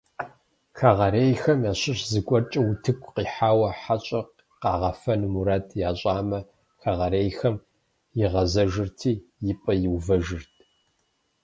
Хэгъэрейхэм ящыщ зыгуэркӀэ утыку къихьауэ хьэщӀэр къагъэфэну мурад ящӀамэ, хэгъэрейхэм игъэзэжырти, и пӀэ иувэжырт.